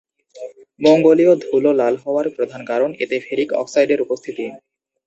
মঙ্গলীয় ধুলো লাল হওয়ার প্রধান কারণ এতে ফেরিক অক্সাইডের উপস্থিতি।